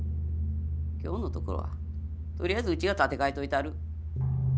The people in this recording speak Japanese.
今日のところはとりあえずうちが立て替えといたる。